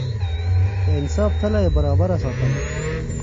د انصاف تله يې برابره ساتله.